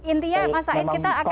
intinya mas said kita akan